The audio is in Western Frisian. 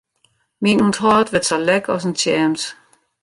Myn ûnthâld wurdt sa lek as in tjems.